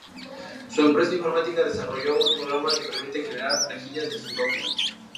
Su empresa informática desarrolló un programa que permite generar rejillas de Sudoku.